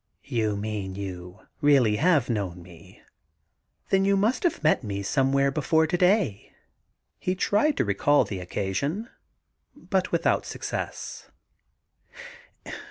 ' You mean you have really known me. Then you must have met me somewhere before to day I' He tried to recall the occasion, but without success.